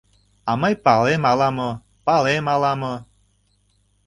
«А мый палем ала-мо, палем ала-мо»